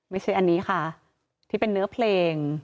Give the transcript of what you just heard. ไม่ใช่อันนี้ค่ะที่เป็นเนื้อเพลง